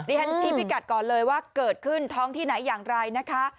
ฉันชี้พิกัดก่อนเลยว่าเกิดขึ้นท้องที่ไหนอย่างไรนะคะ